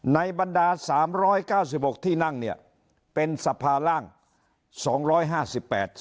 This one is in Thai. ในบรรดา๓๙๖ที่นั่งเป็นสภาล่าง๒๕๘สภาสูตร